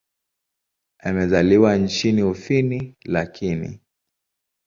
Amezaliwa nchini Ufini lakini.